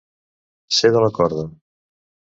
Ser de la corda.